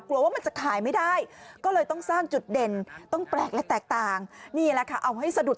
ว่ามันจะขายไม่ได้ก็เลยต้องสร้างจุดเด่นต้องแปลกและแตกต่างนี่แหละค่ะเอาให้สะดุด